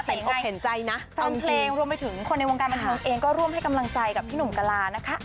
แต่ยังไงตอนเพลงรวมไปถึงคนในวงการบรรทานกเองก็ร่วมให้กำลังใจกับพี่หนุ่มกลานะคะ